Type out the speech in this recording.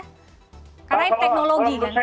karena teknologi kan